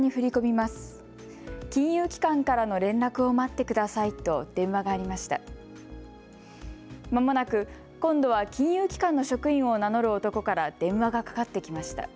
まもなく、今度は金融機関の職員を名乗る男から電話がかかってきました。